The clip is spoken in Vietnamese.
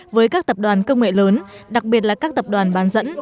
với các tập đoàn công nghệ lớn đặc biệt là các tập đoàn bán dẫn